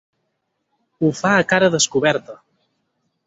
Ho fa a cara descoberta.